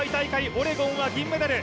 オレゴンは銀メダル。